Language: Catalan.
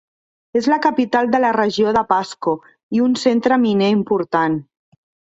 És la capital de la regió de Pasco i un centre miner important.